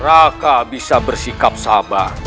raka bisa bersikap sabar